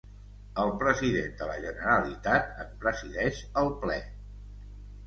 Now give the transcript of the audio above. El president de la Generalitat en presideix el Ple.